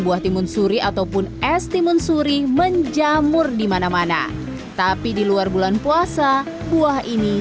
buah timun suri ataupun es timun suri menjamur dimana mana tapi di luar bulan puasa buah ini